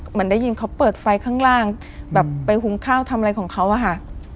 เหมือนได้ยินเขาเปิดไฟข้างล่างแบบไปหุงข้าวทำอะไรของเขาอะค่ะ